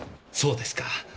そうですか。